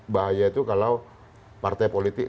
bahaya itu kalau partai politik